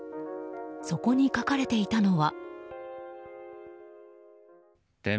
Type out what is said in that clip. そこに書かれていたのは。